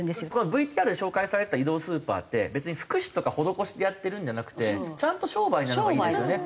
ＶＴＲで紹介されてた移動スーパーって別に福祉とか施しでやってるんじゃなくてちゃんと商売になるのがいいですよね。